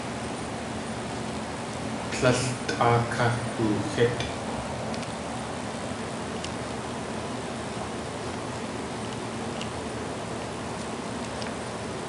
Tlél tʼaa ká ooxítʼkw.